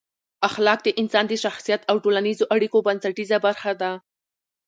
اخلاق د انسان د شخصیت او ټولنیزو اړیکو بنسټیزه برخه ده.